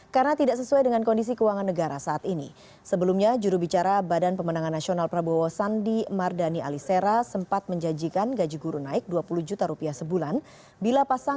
kalau indonesia kan bicara mengenai budget yang besar